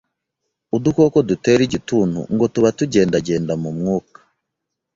Udukoko dutera igituntu ngo tuba tugendagenda mu mwuka